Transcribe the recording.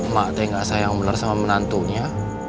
mak teh nggak sayang bener sama menantunya